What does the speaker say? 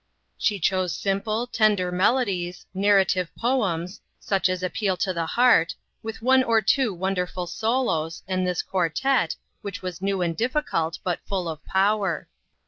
She chose simple, tender melodies, narrative poems, such ns appeal to the heart, with one or two won derful solos, and this quartette, which was new and difficult, but full of power.